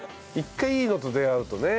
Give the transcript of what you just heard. １回いいのと出会うとね。